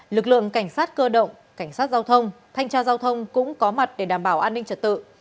lực lượng cảnh sát cơ động cảnh sát giao thông thanh tra giao thông cũng có mặt để đảm bảo an ninh trật tự